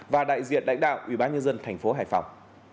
và đại diện đại đạo ủy ban nhân dân thành phố hải phòng